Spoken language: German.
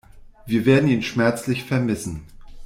Wir werden ihn schmerzlich vermissen.